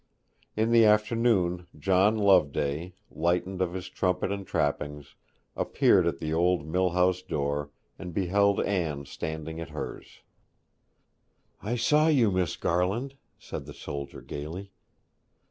In the afternoon John Loveday, lightened of his trumpet and trappings, appeared at the old mill house door, and beheld Anne standing at hers. 'I saw you, Miss Garland,' said the soldier gaily.